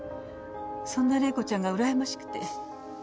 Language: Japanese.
そんな玲子ちゃんがうらやましくて。